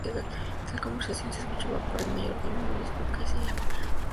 Tal conversación es escuchada por el mayordomo, mismo que llama a la policía.